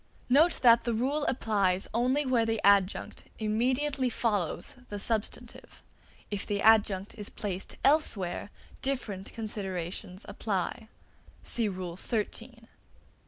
Note that the rule applies only where the adjunct immediately follows the substantive. If the adjunct is placed elsewhere, different considerations apply. See Rule XIII. (3).